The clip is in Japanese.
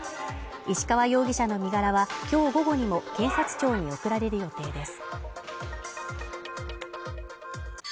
石川容疑者の身柄は今日午後にも検察庁に送られる予定です。